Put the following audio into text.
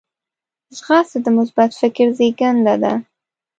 ځغاسته د مثبت فکر زیږنده ده